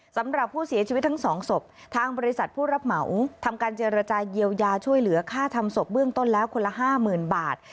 สำหรับผู้เสียชีวิตทั้งสองศพทางบริษัทผู้รับเหมาทำการเจรจาเยียวยาช่วยเหลือค่าทำศพเบื้องต้นแล้วคนละ๕๐๐๐บาท